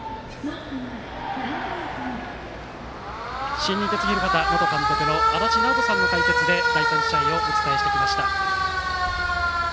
新日鉄広畑元監督の足達尚人さんの解説で第３試合をお伝えしてきました。